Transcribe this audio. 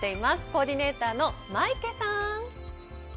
コーディネーターのマイケさん！